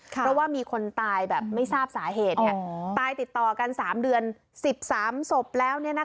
เพราะว่ามีคนตายแบบไม่ทราบสาเหตุตายติดต่อกัน๓เดือน๑๓ศพแล้ว